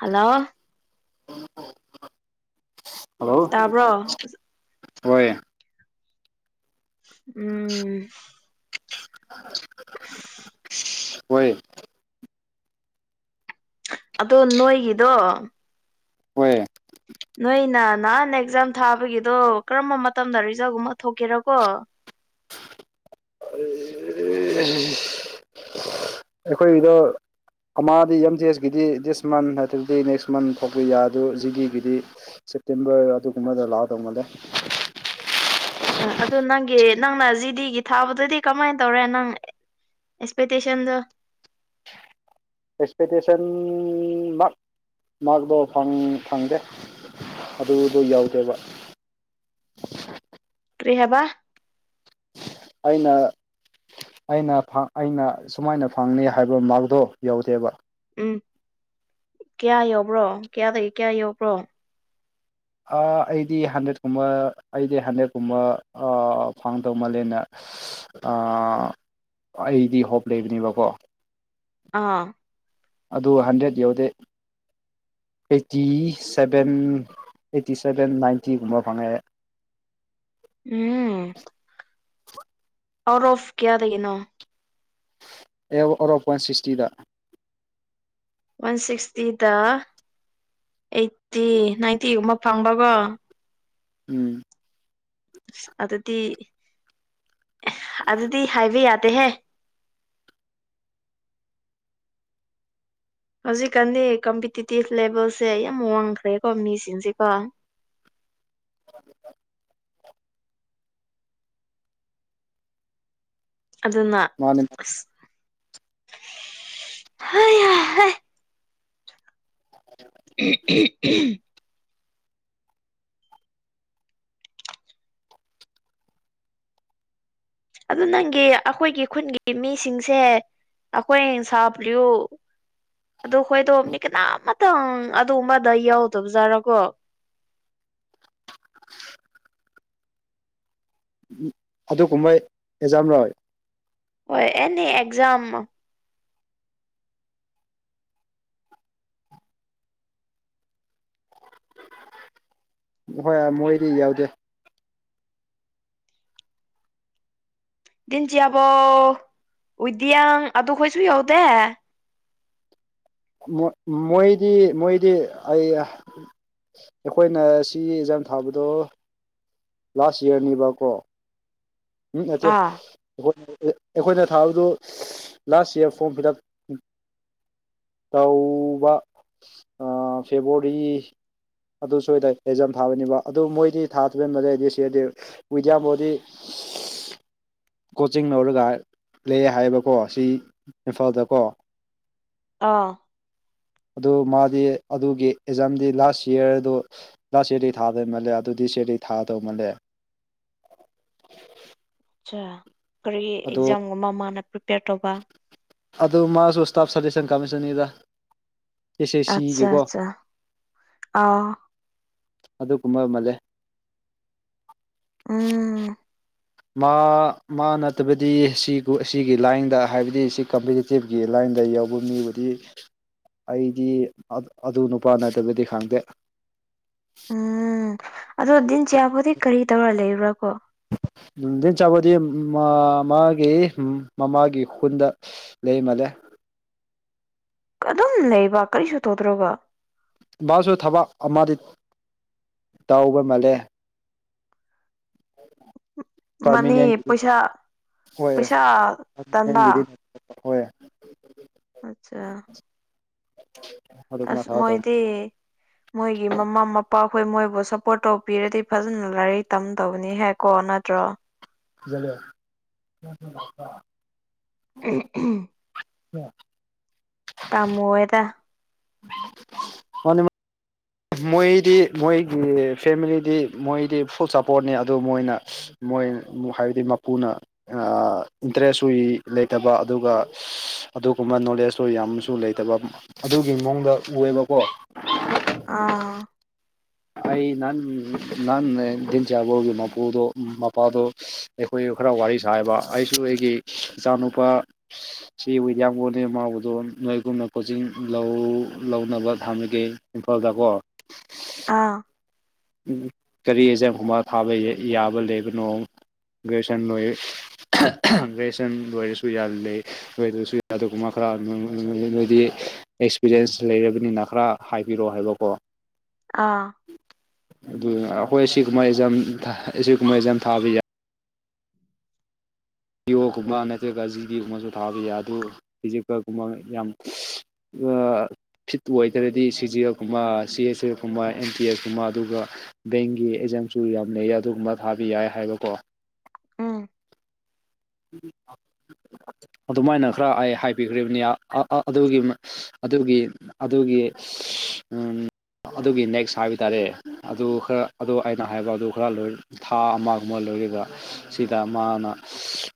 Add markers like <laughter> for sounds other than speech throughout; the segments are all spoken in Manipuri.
ꯍꯜꯂꯣ ꯎꯝ ꯇꯥꯕ꯭ꯔꯣ ꯍꯣꯏ ꯎꯝ ꯍꯣꯏ ꯑꯗꯣ ꯅꯣꯏꯒꯤꯗꯣ ꯍꯣꯏ ꯅꯣꯏꯅ ꯅꯍꯥꯟ ꯑꯦꯛꯖꯥꯝ ꯊꯥꯕꯒꯤꯗꯣ ꯀꯔꯝꯕ ꯃꯇꯝꯗ ꯔꯤꯖꯜꯒꯨꯝꯕ ꯊꯣꯛꯀꯦꯔꯀꯣ ꯑꯦ ꯑꯩꯈꯣꯏꯗ ꯀꯗꯤ ꯑꯦꯝ ꯖꯤ ꯑꯦꯁꯀꯤꯗꯤ ꯗꯤꯁ ꯃꯟ ꯅꯠꯇ꯭ꯔꯗꯤ ꯅꯦꯛꯁ ꯃꯟ ꯐꯥꯎꯕ ꯌꯥꯗ ꯖꯤꯒꯤꯒꯤꯗꯤ ꯁꯦꯞꯇꯦꯝꯕꯔ ꯑꯗꯨꯒꯨꯝꯕꯗ ꯂꯥꯛꯑꯗꯧꯅꯂꯦ ꯑ ꯑꯗꯨꯗꯣ ꯅꯪꯒꯤ ꯅꯪꯅ ꯖꯤꯗꯤꯒꯤ ꯊꯥꯕꯗꯗꯤ ꯀꯃꯥꯏꯅ ꯇꯧꯔꯦ ꯅꯪ ꯑꯦꯛꯁꯄꯦꯛꯇꯦꯁꯟꯗꯣ ꯑꯦꯛꯁꯄꯦꯛꯇꯦꯁꯟ ꯃ ꯃꯥꯔꯛꯇꯣ ꯐꯪꯗꯦ ꯑꯗꯨꯗꯣ ꯌꯥꯎꯗꯦꯕ ꯀꯔꯤ ꯍꯥꯏꯕ ꯑꯩꯅ ꯑꯩꯅ ꯑꯩꯅ ꯁꯨꯃꯥꯏꯅ ꯐꯪꯅꯤ ꯍꯥꯏꯕ ꯃꯥꯔꯛꯇꯣ ꯌꯧꯗꯦꯕ ꯎꯝ ꯀꯌꯥ ꯌꯥꯕ꯭ꯔꯣ ꯀꯌꯥꯗꯒꯤ ꯀꯌꯥ ꯌꯥꯎꯧꯕ꯭ꯔꯣ ꯑꯩꯗꯤ ꯍꯟꯗ꯭ꯔꯦꯠꯀꯨꯝꯕ ꯑꯩꯗꯤ ꯍꯟꯗ꯭ꯔꯦꯠꯀꯨꯝꯕ ꯐꯪꯗꯧ ꯃꯥꯜꯂꯦꯅ ꯑꯩꯗꯤ ꯍꯣꯞ ꯂꯩꯕꯅꯦꯕꯀꯣ ꯑꯥ ꯑꯗꯨ ꯍꯟꯗ꯭ꯔꯦꯗ ꯌꯧꯗꯦ ꯑꯩꯠꯇꯤ ꯁꯚꯦꯟ ꯑꯩꯠꯇꯤ ꯁꯕꯦꯟ ꯅꯥꯏꯟꯇꯤꯒꯨꯝꯕ ꯐꯪꯉꯛꯑꯦ ꯎꯝ ꯑꯥꯎꯠ ꯑꯣꯐ ꯀꯌꯥꯗ ꯌꯦꯅꯣ ꯑꯦ ꯑꯣꯔꯣ ꯄꯣꯏꯟ ꯁꯤꯛꯁꯇꯤꯗ ꯋꯥꯟ ꯁꯤꯛꯁꯇꯤꯗ ꯑꯩꯠꯇꯤ ꯅꯥꯏꯟꯇꯤꯒꯨꯝꯕ ꯐꯪꯕꯀꯣ ꯎꯝ ꯑꯁ ꯑꯗꯨꯗꯤ ꯑꯗꯨꯗꯤ ꯍꯥꯏꯕ ꯌꯥꯗꯦꯍꯦ ꯍꯧꯖꯤꯛꯀꯥꯟꯗꯤ ꯀꯝꯄꯤꯇꯤꯇꯤꯚ ꯂꯦꯚꯦꯜꯁꯦ ꯌꯥꯝ ꯋꯥꯡꯈ꯭ꯔꯦꯀꯣ ꯃꯤꯁꯤꯡꯁꯤꯀꯣ <inaudible> ꯑꯗꯨꯅ ꯃꯥꯅꯤ ꯍ ꯍ <inaudible> ꯑꯦ ꯑꯗꯨ ꯅꯪꯒꯤ ꯑꯩꯈꯣꯏꯒꯤ ꯈꯨꯟꯒꯤ ꯃꯤꯁꯤꯡꯁꯦ ꯑꯩꯈꯣꯏꯡ ꯁꯥꯕ꯭ꯨ ꯑꯗꯣ ꯍꯣꯏꯗꯣ ꯃꯤ ꯀꯅꯥꯝ ꯑꯃꯇꯪ ꯑꯗꯨ ꯑꯃꯗ ꯌꯥꯎꯗꯕꯖꯥꯠꯔꯣꯀꯣ ꯑꯗꯨꯒꯨꯝꯕ ꯑꯦꯛꯖꯥꯝ ꯂꯧꯋꯏ ꯍꯣꯏ ꯑꯦꯅꯤ ꯑꯦꯛꯖꯝ ꯍꯣꯏ ꯃꯣꯏꯗꯤ ꯌꯥꯎꯗꯦ ꯗꯤꯤꯟꯖꯤꯌꯥꯕꯣ ꯎꯏꯗꯤꯌꯥꯡ ꯑꯗꯨ ꯈꯣꯏꯁꯨ ꯌꯧꯗꯦ ꯣꯏ ꯃꯣꯏꯗꯤ ꯃꯣꯏꯗꯤ ꯑꯩ ꯑꯩꯈꯣꯏꯅ ꯁꯤꯒꯤ ꯑꯦꯟꯖꯥꯡ ꯊꯥꯕꯗꯣ ꯂꯥꯁ ꯏꯌꯥꯔꯅꯤꯕꯀꯣ ꯎꯝ ꯅꯠꯇꯦ ꯑꯥ ꯑꯩꯈꯣꯏ ꯑꯩꯈꯣꯏꯅ ꯊꯥꯕꯗꯨ last year form fill up ꯇꯧꯕ ꯐꯦꯕꯋꯥꯔꯤ ꯑꯗꯨ ꯁꯣꯏꯏꯗ ꯑꯦꯛꯖꯝ ꯊꯥꯕꯅꯤꯕ ꯑꯗꯨ ꯃꯣꯏꯗꯤ ꯊꯥꯗꯕ ꯃꯩꯗꯤ ꯁꯤꯗꯤ ꯋꯤꯗꯤꯌꯥ ꯕꯣꯗꯤ <inaudible> ꯀꯣꯆꯤꯡ ꯂꯧꯔꯒ ꯂꯩ ꯍꯥꯏꯕꯀꯣ ꯁꯤ ꯏꯝꯐꯥꯜꯗꯀꯣ ꯑꯥ ꯑꯗꯨ ꯃꯥꯗꯤ ꯑꯗꯨꯒꯤ ꯑꯦꯛꯖꯥꯝꯗꯤ ꯂꯥꯁ ꯌꯌꯥꯔꯗꯨ ꯂ ꯆꯦꯩ ꯊꯥꯗꯧꯃꯜꯂꯦ ꯑꯗꯨꯗꯤ ꯆꯦꯔꯤ ꯊꯥꯗꯧ ꯃꯥꯜꯂꯦ ꯑꯆꯥ ꯀꯔꯤ ꯑꯗꯨ ꯑꯦꯛꯖꯥꯝ ꯑꯃ ꯃꯥꯅ ꯄ꯭ꯔꯤꯄꯦꯌꯔ ꯇꯧꯕ ꯑꯗꯨ ꯃꯥꯁꯨ ꯏꯁꯇꯥꯞ ꯁꯖꯦꯁꯟ ꯀꯃꯤꯁꯟꯅꯤꯗ ꯑꯆꯥ ꯑꯆꯥ ꯑ ꯑꯗꯨꯒꯨꯝꯕ ꯑꯃꯜꯂꯦ ꯎꯝ ꯃꯥ ꯃꯥ ꯅꯠꯇꯕꯗꯤ ꯁꯤ ꯑꯁꯤꯒꯤ ꯂꯥꯏꯟꯗ ꯍꯥꯏꯕꯗꯤ ꯁꯤ ꯀꯝ ꯏꯁꯇꯦꯞꯀꯤ ꯂꯥꯏꯟꯗ ꯌꯥꯎꯕ ꯃꯤꯕꯨꯗꯤ ꯑꯩꯗꯤ ꯑꯗꯨ ꯅꯨꯄꯥ ꯅꯠꯇꯕꯗꯤ ꯈꯪꯗꯦ ꯎꯝ ꯑꯗꯣ ꯗꯤꯟ ꯆꯌꯥꯕꯨꯗꯤ ꯀꯔꯤ ꯇꯧꯔ ꯂꯩꯕ꯭ꯔꯥ ꯀꯣ ꯊꯤꯟ ꯆꯥꯕꯗꯤ ꯃꯥ ꯃꯥꯒꯤ ꯃꯃꯥꯒꯤ ꯈꯨꯟꯗ ꯂꯩ ꯃꯗꯦ ꯑꯗꯨꯝ ꯂꯩꯕ ꯀꯔꯤꯁꯨ ꯇꯧꯗ꯭ꯔꯣꯕ ꯃꯥꯁꯨ ꯊꯕꯛ ꯑꯃꯗꯤ ꯇꯧꯕ ꯃꯥꯜꯂꯦ ꯃꯅꯤ ꯀꯥꯔꯃꯤꯅꯤꯟꯒꯤꯗꯤ ꯄꯩꯁꯥ ꯄꯩꯁꯥ ꯇꯟꯕ ꯍꯣꯏꯅꯤꯒꯤꯗꯤ ꯍꯣꯏ ꯑꯆꯥ ꯑꯗꯨꯒꯨꯝꯕ ꯑꯁ ꯊꯕꯛ ꯇꯧ ꯃꯣꯏꯗꯤ ꯃꯣꯏꯒꯤ ꯃꯃꯥ ꯃꯄꯥ ꯑꯩꯈꯣꯏ ꯃꯣꯏꯕꯨ ꯁꯞꯄꯣꯔꯠ ꯇꯧꯕꯤꯔꯗꯤ ꯐꯖꯅ ꯂꯥꯏꯔꯤꯛ ꯇꯝꯗꯕꯅꯤ ꯍꯦꯛ ꯀꯣ ꯅꯠꯇ꯭ꯔꯣ ꯂ ꯎ ꯑꯣ ꯀꯝ ꯑꯣꯏꯦꯗ ꯍꯅꯤ ꯃꯣꯏꯗꯤ ꯃꯣꯏꯒꯤ ꯐꯦꯃꯤꯂꯤꯗꯤ ꯃꯣꯏꯗꯤ ꯐꯨꯜ ꯁꯞꯄꯣꯔꯠꯅꯤ ꯑꯗꯨ ꯃꯣꯏꯅ ꯃꯣꯏ ꯍꯥꯏꯕꯗꯤ ꯃꯄꯨꯅ ꯏꯟꯇꯔꯦꯁ ꯎꯏ ꯂꯩꯇꯕ ꯑꯗꯨꯒ ꯑꯗꯨꯒꯨꯝꯕ ꯅꯣꯂꯦꯖꯇꯣ ꯌꯥꯝꯁꯨ ꯂꯩꯇꯕ ꯑꯗꯨꯒꯤ ꯃꯑꯣꯡꯗ ꯎꯑꯦꯕꯀꯣ ꯑꯥ ꯑꯩ ꯅꯥꯟ ꯅꯥꯟ ꯤꯟ ꯆ ꯍ ꯃꯄꯨꯗꯨꯣ ꯃꯄꯥꯗꯨꯣ ꯑꯩꯈꯣꯏ ꯈꯔ ꯋꯥꯔꯤ ꯁꯥꯥꯏꯕ ꯑꯩꯁꯨ ꯑꯩꯒꯤ ꯏꯆꯥꯅꯨꯄꯥ ꯁꯤ ꯋꯤꯗꯤꯌꯥꯒꯣꯟꯅꯤ ꯃꯥꯎꯕꯗꯣ ꯅꯣꯏꯒꯨꯝꯅ ꯀꯣꯆꯤꯡ ꯂꯧꯅꯕ ꯊꯝꯃꯒꯦ ꯏꯝꯐꯥꯜꯗꯀꯣ ꯑꯥ ꯀꯔꯤ ꯑꯦꯛꯖꯥꯝꯒꯨꯝꯕ ꯊꯥꯕ ꯌꯥꯕ ꯂꯩꯕꯅꯣ ꯒ꯭ꯔꯦꯖꯨꯌꯦꯁꯟ ꯂꯣꯏ ꯒ꯭ꯔꯦꯖꯁꯟ ꯂꯣꯏꯔꯁꯨ ꯌꯥꯜꯂꯤꯦ ꯅꯣꯏꯗꯁꯨ ꯑꯗꯨꯒꯨꯝꯕ ꯈꯔ ꯅꯣꯏꯗꯤ ꯑꯦꯛꯁꯄꯤꯔꯤꯌꯦꯟꯁ ꯂꯩꯔꯕꯅꯤꯅ ꯈꯔ ꯍꯥꯏꯕꯤꯔꯛꯑꯣ ꯍꯥꯏꯕꯀꯣ ꯑꯥ ꯑꯗꯨ ꯑꯩꯈꯣꯏ ꯁꯤ ꯀꯨꯝꯕ ꯑꯦꯖꯝ ꯑꯁꯤ ꯀꯨꯝꯖꯝ ꯊꯥꯕ ꯌꯥꯏ ꯤꯌꯣꯒꯨꯝꯕ ꯅꯠꯇ꯭ꯔꯒ ꯖꯤꯗꯤꯒꯨꯝꯕꯁꯨ ꯊꯥꯕ ꯌꯥꯏ ꯑꯗꯨ ꯐꯤꯖꯤꯀꯒꯨꯝꯕ ꯌꯥꯝ ꯑ ꯐꯤꯠꯨ ꯑꯣꯏꯇꯥꯔꯗꯤ ꯁꯤ ꯖꯤ ꯑꯦꯐ ꯀꯨꯝꯕ ꯁꯤ ꯑꯦꯁ ꯑꯦꯐ ꯀꯨꯝꯕ ꯑꯦꯟ ꯇꯤ ꯑꯦꯐ ꯀꯨꯝꯕ ꯑꯗꯨꯒ ꯕꯦꯡꯒꯤ ꯑꯦꯖꯝꯁꯨ ꯌꯥꯝꯅ ꯑꯗꯨꯒꯨꯝꯕ ꯊꯥꯕ ꯌꯥꯏ ꯍꯥꯏꯕꯀꯣ ꯎꯝ ꯎꯝ ꯑꯗꯨꯃꯥꯏꯅ ꯈꯔ ꯑꯩ ꯍꯥꯏꯕꯤꯈ꯭ꯔꯤꯕꯅꯤ ꯑꯗꯨꯒꯤ ꯑꯗꯨꯒꯤ ꯑꯗꯨꯒꯤ ꯑꯗꯨꯒꯤ ꯅꯦꯛꯁ ꯍꯥꯏꯕ ꯇꯥꯔꯦ ꯑꯗꯨ ꯈꯔ ꯑꯗꯨ ꯑꯩꯅ ꯍꯥꯏꯕ ꯑꯗꯨ ꯈꯔ ꯊꯥ ꯑꯃꯒꯨꯝꯕ ꯂꯣꯏꯔꯒ ꯁꯤꯗ ꯃꯥꯅ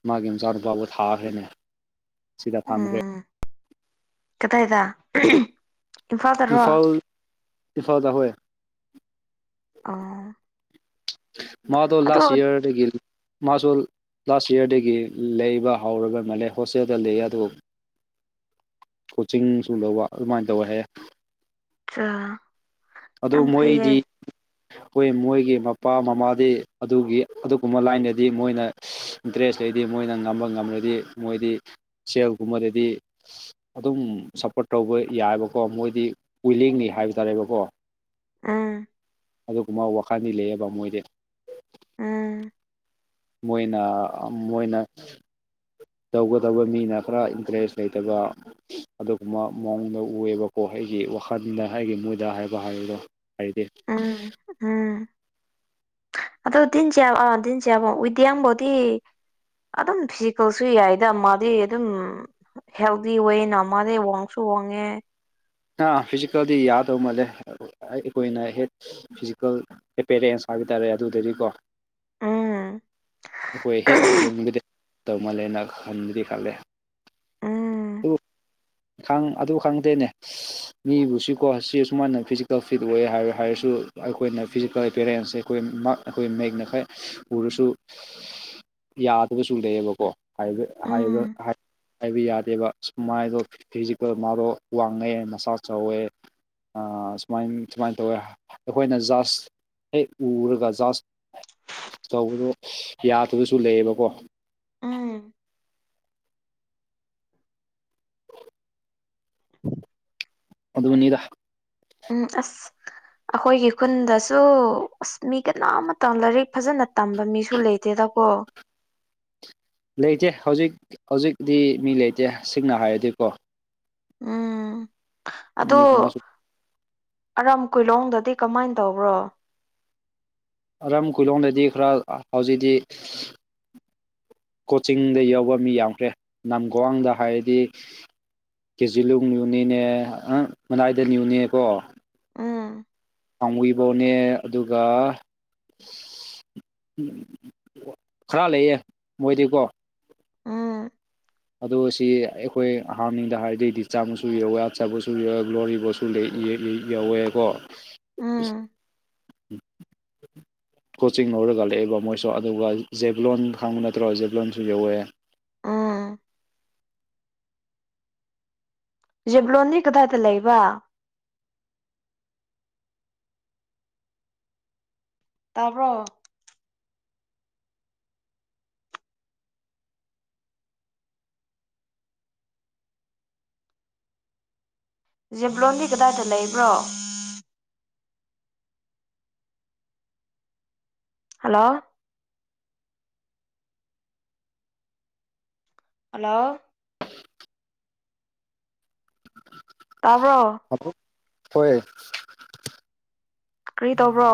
ꯃꯥꯒꯤ ꯃꯆꯥꯅꯨꯄꯥꯕꯨ ꯊꯥꯈ꯭ꯔꯦꯅꯦ ꯁꯤꯗ ꯊꯝꯈ꯭ꯔꯦ ꯎꯝ ꯀꯗꯥꯏꯗ ꯏꯝꯐꯥꯜꯗꯔꯣ ꯏꯐꯥꯜꯗꯥ ꯍꯣꯏ ꯑꯣ ꯃꯗꯣ ꯑꯗꯣ ꯂꯁ ꯏꯌꯔ ꯃꯥꯁꯨ ꯂꯥꯁ ꯏꯌꯥꯔꯗꯒꯤ ꯂꯩꯕ ꯍꯧꯔꯒ ꯃꯥꯂ ꯍꯣꯁꯇꯦꯜꯗ ꯂꯩ ꯑꯗꯨ ꯀꯣꯆꯤꯡ ꯁꯨ ꯂꯧꯕ ꯑꯗꯨꯃꯥꯏꯅ ꯇꯧꯋ ꯍꯥꯏꯌꯦ ꯑꯗꯨ ꯌꯥꯝ ꯐꯩꯌꯦ ꯃꯣꯏꯗꯤ ꯍꯣꯏ ꯃꯣꯏꯒꯤ ꯃꯄꯥ ꯃꯃꯥꯗꯤ ꯑꯗꯨꯒꯤ ꯑꯗꯨꯒꯨꯝꯕ ꯂꯥꯏꯟꯗꯗꯤ ꯃꯣꯏꯅ ꯗ꯭ꯔꯦꯁ ꯂꯩꯗꯤ ꯃꯣꯏꯅ ꯉꯝꯕ ꯉꯝꯂꯗꯤ ꯃꯣꯏꯗꯤ ꯁꯦꯜꯒꯨꯝꯕꯗꯗꯤ ꯑꯗꯨꯝ ꯁꯞꯄꯣꯔꯠ ꯇꯧꯕ ꯌꯥꯏꯑꯕꯀꯣ ꯃꯣꯏꯗꯤ ꯋꯤꯂꯤꯡꯅꯤ ꯍꯥꯏꯕ ꯇꯥꯔꯦꯕꯀꯣ ꯑꯥ ꯑꯗꯨꯒꯨꯝꯕ ꯋꯥꯈꯜꯗꯤ ꯂꯩꯌꯦꯕ ꯃꯣꯏꯗꯤ ꯎꯝ ꯃꯣꯏꯅ ꯃꯣꯏꯅ ꯇꯧꯒꯗꯧꯕ ꯃꯤꯅ ꯈꯔ ꯏꯟꯇꯔꯦꯁ ꯂꯩꯇꯕ ꯑꯗꯨꯒꯨꯝꯕ ꯃꯑꯣꯡꯗ ꯎꯑꯕꯀꯣ ꯑꯩꯒꯤ ꯋꯥꯈꯜꯗ ꯑꯩꯒꯤ ꯃꯣꯏꯗ ꯍꯥꯏꯕ ꯍꯥꯏꯕꯗꯣ ꯍꯥꯏꯗꯤ ꯎꯝ ꯎꯝ ꯑꯗꯣ ꯇꯤꯟꯁꯤ ꯑ ꯇꯗꯤꯟꯁꯤꯌꯥꯕ ꯏꯗꯌꯥ ꯑꯃꯕꯗꯤ ꯑꯗꯨꯝ ꯐꯤꯖꯤꯀꯦꯜꯁꯨ ꯌꯥꯏꯗ ꯃꯥꯗꯤ ꯑꯗꯨꯝ ꯍꯦꯜꯗꯤ ꯑꯣꯏ ꯃꯁꯤꯋꯥꯡꯁꯨ ꯋꯥꯡꯉꯦ ꯑ ꯐꯤꯖꯤꯀꯜꯗꯤ ꯌꯥꯗꯕ ꯃꯜꯂꯦ ꯑꯩꯈꯣꯏꯅ ꯍꯦꯛ ꯐꯤꯖꯤꯀꯦꯜ ꯑꯦꯄꯦꯔꯦꯟꯁ ꯍꯥꯏꯕ ꯇꯥꯔꯦ ꯑꯗꯨꯗꯗꯤꯀꯣ ꯎꯝ ꯑꯩꯈꯣꯏ ꯍꯦꯛ ꯌꯦꯡꯕꯗꯤ ꯇꯧꯃꯜꯂꯦꯅ ꯈꯟꯕꯗꯤ ꯈꯜꯂꯦ ꯎꯝ ꯈ ꯑꯗꯨ ꯈꯪꯗꯦꯅꯦ ꯃꯤꯕꯨꯁꯤꯀꯣ ꯁꯤ ꯑꯁꯨꯃꯥꯏꯅ ꯐꯤꯖꯤꯀꯦꯜ ꯐꯤꯠ ꯑꯣꯏꯌꯦ ꯍꯥꯏ ꯍꯥꯏꯔꯁꯨ ꯑꯩꯈꯣꯏꯅ ꯐꯤꯖꯤꯀꯦꯜ ꯑꯦꯄꯤꯌꯔꯦꯟꯁꯁꯦ ꯑꯩꯈꯣꯏ ꯑꯩꯈꯣꯏ ꯃꯌꯦꯛꯅ ꯈꯔ ꯎꯔꯁꯨ ꯌꯥꯗꯕꯁꯨ ꯂꯩꯌꯦꯕꯀꯣ ꯎꯝ ꯍꯥꯏꯕ ꯌꯥꯗꯦꯕ ꯁꯨꯃꯥꯏꯗꯣ ꯐꯤꯖꯤꯀꯦꯜ ꯃꯗꯣ ꯃꯁꯥ ꯆꯥꯎ ꯋꯦꯋꯥꯡꯉꯛꯑꯦ ꯃꯁꯥ ꯆꯥꯎꯋꯦ ꯁꯨꯃꯥꯏ ꯁꯨꯃꯥꯏꯅ ꯇꯧꯋꯦ ꯑꯩꯈꯣꯏꯅ ꯖꯁ ꯍꯦꯛ ꯎꯔꯒ ꯖꯁ ꯇꯧꯕꯗꯣ ꯌꯥꯗꯕꯁꯨ ꯂꯩꯌꯦꯕꯀꯣ ꯎꯝ ꯑꯗꯨꯅꯤꯗ ꯎꯝ ꯑꯁ ꯑꯩꯈꯣꯏꯒꯤ ꯈꯨꯟꯗꯁꯨ ꯑꯁ ꯃꯤ ꯀꯅꯥ ꯑꯃꯇ ꯂꯥꯏꯔꯤꯛ ꯐꯖꯅ ꯇꯝꯕ ꯃꯤꯁꯨ ꯂꯩꯇꯦꯗꯀꯣ ꯂꯩꯇꯦ ꯍꯧꯖꯤꯛ ꯍꯧꯖꯤꯛꯇꯤ ꯃꯤ ꯂꯩꯇꯦ ꯁꯤꯡꯅ ꯍꯥꯏꯔꯗꯤꯀꯣ ꯑꯣ ꯃꯤ ꯀꯅꯥꯁꯨ ꯑꯔꯥꯝ ꯀꯨꯂꯣꯡꯗꯗꯤ ꯀꯃꯥꯏꯅ ꯇꯧꯕ꯭ꯔꯣ ꯑꯔꯝ ꯀꯨꯂꯣꯡꯗꯗꯤ ꯈꯔ ꯍꯧꯖꯤꯛꯇꯤ ꯀꯣꯆꯤꯡꯗ ꯌꯥꯎꯕ ꯃꯤ ꯌꯥꯝꯈ꯭ꯔꯦ ꯂꯝꯝꯒ꯭ꯋꯥꯡꯗ ꯍꯥꯏꯔꯗꯤ ꯀꯦ ꯖꯤꯂꯣꯡ ꯅꯤꯌꯨꯅꯤꯅꯦ ꯃꯅꯥꯏꯗ ꯅꯤꯌꯨꯅꯦꯀꯣ ꯎꯝ ꯄꯥꯡꯕꯤꯕꯧꯅꯦ ꯑꯗꯨꯒ ꯈꯔ ꯂꯩꯌꯦ ꯃꯣꯏꯗꯤꯀꯣ ꯎꯝ ꯑꯗꯣ ꯁꯤ ꯑꯩꯈꯣꯏ ꯑꯍꯥꯟꯕꯅꯤꯡꯗ ꯍꯥꯏꯔꯗꯤꯗꯤ ꯆꯥꯃꯁꯨꯨꯏꯌꯣ ꯋꯥꯠ ꯆꯥꯕꯁꯨꯨꯨꯣ ꯒ꯭ꯂꯣꯔꯤꯕꯁꯨ ꯁꯨꯗ ꯌꯥꯎꯋꯦꯀꯣ ꯎꯝ ꯀꯣꯆꯤꯡ ꯂꯧꯔꯒꯂꯛꯑꯦꯕ ꯃꯣꯏꯁꯨ ꯑꯗꯨꯒ ꯖꯦꯕꯂꯣꯟ ꯈꯥꯡꯕ ꯅꯠꯇ꯭ꯔꯣ ꯖꯦꯕꯂꯣꯟꯁꯨ ꯌꯧꯋꯦ ꯎꯝ ꯖꯤꯦꯕ꯭ꯂꯣꯅꯤ ꯀꯗꯥꯏꯇ ꯂꯩꯕ ꯇꯥꯕ꯭ꯔꯣ ꯖꯤꯕ꯭ꯂꯣꯟꯒꯤ ꯀꯗꯥꯏꯗ ꯂꯩꯕ꯭ꯔꯣ ꯍꯜꯂꯣ ꯍꯜꯂꯣ ꯇꯥꯕ꯭ꯔꯣ ꯍꯜꯂꯣ ꯍꯣꯏ ꯀꯔꯤ ꯇꯧꯕ꯭ꯔꯣ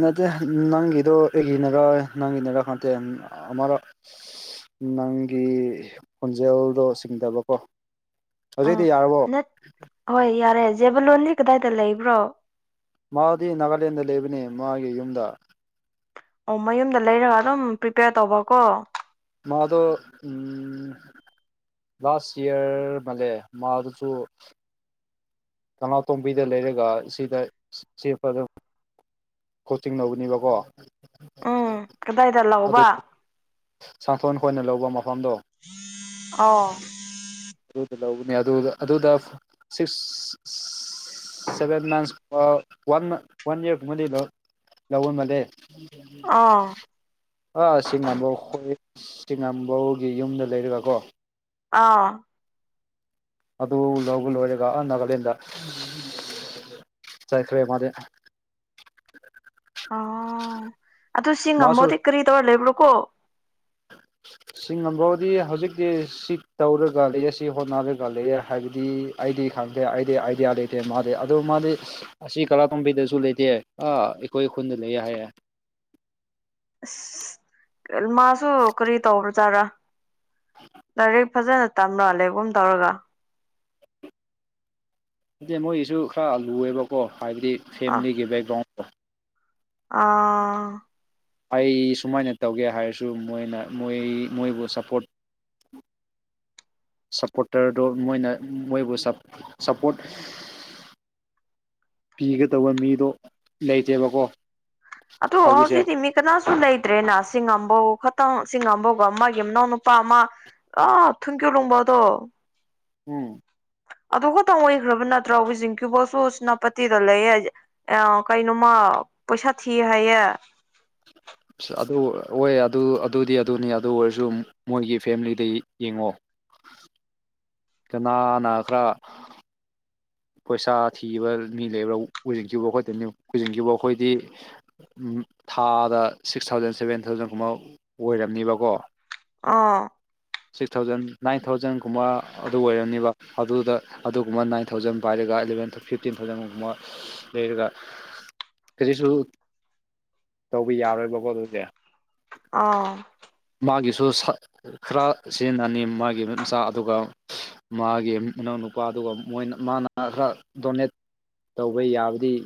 ꯅꯠꯇꯦ ꯅꯪꯒꯤꯗꯣ ꯑꯩꯒꯤꯅꯔꯣꯏ ꯅꯪꯒꯤꯅꯔꯥ ꯈꯪꯇꯦ ꯑꯃꯔꯛ ꯅꯪꯒꯤ ꯈꯣꯟꯖꯦꯜꯗꯣ ꯆꯤꯡꯗꯕꯀꯣ ꯎ ꯅꯠ ꯍꯣꯏ ꯌꯥꯔꯦ ꯖꯦꯕꯂꯣꯟꯁ ꯀꯗꯥꯏꯗ ꯂꯩꯕ꯭ꯔꯣ ꯃꯥꯗꯤ ꯅꯥꯒꯥꯂꯦꯟꯗ ꯂꯩꯕꯅꯤ ꯃꯥꯒꯤ ꯌꯨꯝꯗ ꯑꯣ ꯃꯌꯨꯝꯗ ꯂꯩꯔꯒ ꯑꯗꯨꯝ ꯄ꯭ꯔꯤꯄꯦꯌꯔ ꯇꯧꯕꯀꯣ ꯃꯥꯗ ꯎꯝ ꯂꯥꯁꯁ ꯏꯌꯔ ꯃꯦ ꯃ ꯑꯔꯁꯨꯁꯨ ꯊꯅꯥꯇꯣꯝꯕꯤꯗ ꯂꯩꯔꯒ ꯁꯤꯗ ꯁꯤ ꯐꯝ ꯀꯣꯆꯤꯡ ꯂꯧꯕꯅꯦꯕꯀꯣ ꯎꯝ ꯀꯗꯥꯏꯗ ꯂꯥꯛꯕ ꯁꯟꯊꯣꯟ ꯈꯣꯏꯅ ꯂꯧꯕ ꯃꯐꯝꯗꯣ ꯑꯣ ꯑꯗꯨꯗ ꯂꯧꯧꯕꯅꯤ ꯑꯗꯨ ꯑꯗꯨꯗ ꯁꯤꯛꯁ ꯁꯦꯕꯦꯟ ꯃꯟꯊꯁ ꯋꯥꯟ ꯃ ꯋꯥꯟ ꯏꯌꯔ ꯃ ꯂ ꯂꯧꯧꯕꯣꯟ ꯃꯅꯦ ꯑꯥ ꯑꯥ ꯆꯤꯉꯥꯝꯕꯧ ꯑꯩꯣꯏ ꯆꯤꯉꯥꯝꯕꯧꯒꯤ ꯌꯨꯝꯗ ꯂꯩꯔꯒ ꯀꯣ ꯑꯥ ꯑꯗꯨ ꯂꯒ ꯂꯣꯏꯔꯒ ꯅꯒꯂꯤꯗ ꯁꯥꯏꯀ꯭ꯔꯦ ꯃꯥ ꯑꯣ ꯑꯗꯨ ꯁꯤ ꯃꯥꯁꯨ ꯉꯝꯃꯣꯗꯤ ꯀꯔꯤ ꯇꯧꯔ ꯂꯩꯕ꯭ꯔꯣꯀꯣ ꯁꯤ ꯉꯝꯝꯕꯥꯎꯗꯤ ꯍꯧꯖꯤꯛꯇꯤ ꯁꯤ ꯇꯧꯔꯒ ꯂꯩꯌꯦ ꯁꯤ ꯍꯣꯠꯅꯔꯒ ꯂꯩꯔꯦ ꯍꯥꯏꯕꯗꯤ ꯑꯩꯗꯤ ꯈꯪꯗꯦ ꯑꯩꯗꯤ ꯑꯥꯏꯗꯤꯌꯥ ꯂꯩꯇꯦ ꯃꯥꯗꯤ ꯑꯗꯨ ꯃꯥꯗꯤ ꯑꯁꯤ ꯀꯂꯥ ꯇꯣꯝꯕꯤꯗꯁꯨ ꯂꯩꯇꯦ ꯑ ꯑꯩꯈꯣꯏ ꯈꯨꯟꯗ ꯂꯩꯌꯦꯦ ꯍꯥꯏꯌꯦꯦ ꯑꯁ ꯃꯥꯁꯨ ꯀꯔꯤ ꯇꯧꯕꯖꯥꯔꯥ ꯂꯗꯥꯥꯏꯔꯦꯛ ꯐꯖꯅ ꯇꯝꯂꯣ ꯂꯩꯦꯕꯣꯝ ꯇꯧꯔꯒ ꯍꯥꯏꯗꯤ ꯃꯣꯏꯒꯤꯁꯨ ꯈꯔ ꯂꯨꯑꯦꯕꯀꯣ ꯍꯥꯏꯕꯗꯤ ꯑ ꯐꯦꯃꯤꯂꯤꯒꯤ ꯕꯦꯛꯒ꯭ꯔꯥꯎꯟꯗꯣ ꯑꯥ ꯑꯩ ꯁꯨꯃꯥꯏꯅ ꯇꯧꯒꯦ ꯍꯥꯏꯔꯁꯨ ꯃꯣꯏꯅ ꯃꯣꯏ ꯃꯣꯏꯕꯨ ꯁꯞꯄꯣꯔꯠ ꯁꯞꯄꯣꯔꯇꯔꯗꯨꯣ ꯃꯣꯏꯅ ꯃꯣꯏꯕꯨ ꯁꯞꯄꯣꯔꯠ ꯄꯤꯒꯗꯧꯕ ꯃꯤꯗꯣ ꯂꯩꯇꯦꯕꯀꯣ ꯑ ꯇꯣ ꯍꯧꯖꯤꯛꯁꯦ ꯍꯥꯎꯁꯤ ꯇꯤꯃꯤ ꯀꯅꯥꯁꯨ ꯂꯩꯇ꯭ꯔꯦꯅ ꯁꯤ ꯉꯥꯝꯕꯧ ꯈꯇꯪ ꯁꯤ ꯉꯝꯕꯧꯒ ꯃꯥ ꯃꯅꯥꯎ ꯅꯨꯄꯥ ꯑꯃ ꯑ ꯊꯨꯡꯀ꯭ꯌ ꯂꯣꯡꯕ ꯇꯣ ꯎꯝ ꯑꯗꯨ ꯈꯛꯇꯪ ꯑꯣꯏꯈ꯭ꯔꯕ ꯅꯠꯇ꯭ꯔꯣ ꯋ ꯤꯡꯀꯤꯕꯣꯁꯨ ꯁꯦꯅꯥꯄꯇꯤꯗ ꯂꯩ ꯑ ꯀꯩꯅꯣꯃ ꯄꯩꯁꯥ ꯊꯤꯌꯦ ꯍꯥꯏꯌꯦꯦ ꯑꯁ ꯑꯗꯨ ꯍ ꯑꯗꯨ ꯑꯗꯨꯗꯤ ꯑꯗꯨꯅꯤ ꯑꯗꯨ ꯑꯣꯏꯔꯁꯨ ꯃꯣꯏꯒꯤ ꯐꯦꯃꯤꯂꯤꯗ ꯌꯦꯡꯉꯣ ꯀꯅꯥꯅ ꯈꯔ ꯄꯩꯁꯥ ꯊꯤꯕ ꯃꯤ ꯂꯩꯕ꯭ꯔꯥ ꯎꯖꯤꯡꯈꯤꯕ ꯑꯩꯈꯣꯏꯅꯤ ꯎꯖꯤꯡꯈꯤꯕ ꯑꯩꯈꯣꯏꯗꯤ ꯎ ꯊꯥꯗ ꯁꯤꯛꯁ ꯊꯥꯎꯖꯟ ꯁꯕꯦꯟ ꯊꯥꯎꯖꯟꯒꯨꯝꯕ ꯑꯣꯏꯔꯝꯅꯤꯕꯀꯣ ꯑꯥ ꯁꯤꯛꯁ ꯊꯥꯎꯖꯟ ꯅꯥꯏꯟ ꯊꯥꯎꯖꯟꯒꯨꯝꯕ ꯑꯗꯨ ꯑꯣꯏꯔꯝꯅꯤꯕ ꯑꯗꯨꯗ ꯑꯗꯨꯒꯨꯝꯕ ꯅꯥꯏꯟ ꯊꯥꯎꯖꯟ ꯄꯥꯏꯔꯒ ꯑꯦꯂꯚꯦꯟ ꯊꯥꯎ ꯐꯤꯐꯇꯤꯟ ꯊꯥꯎꯖꯟꯒꯨꯝꯕ ꯂꯩꯔꯒ ꯀꯖꯤꯛꯁꯨ ꯇꯧꯕ ꯌꯥꯔꯣꯏꯕꯀꯣ ꯑꯗꯨꯁꯦ ꯑꯥ ꯃꯥꯒꯤꯁꯨ ꯈꯔ ꯁꯤꯖꯤꯟꯅꯅꯤ ꯃꯥꯒꯤ ꯅꯨꯠ ꯃꯆꯥ ꯑꯗꯨꯒ ꯃꯥꯒꯤ ꯃꯅꯥꯎ ꯅꯨꯄꯥ ꯑꯗꯨꯒ ꯃꯣꯏꯅ ꯃꯥꯅ ꯈꯔ ꯗꯣꯅꯦꯠ ꯇꯧꯕ ꯌꯥꯕꯗꯤ